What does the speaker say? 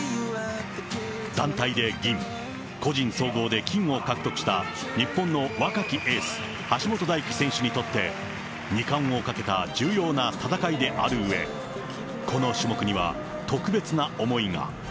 団体で銀、個人総合で金を獲得した、日本の若きエース、橋本大輝選手にとって、２冠を懸けた重要な戦いであるうえ、この種目には特別な思いが。